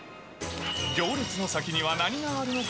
行列の先には何があるのか？